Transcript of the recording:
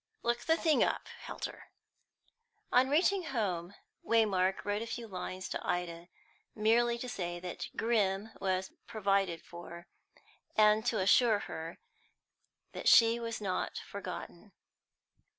Look the thing up, Helter." On reaching home, Waymark wrote a few lines to Ida, merely to say that Grim was provided for, and assure her that she was not forgotten.